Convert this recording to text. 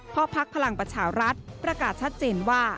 เพราะพักพลังประชารัฐประกาศชัดเจนว่า